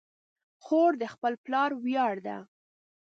خور د خپل پلار ویاړ ده.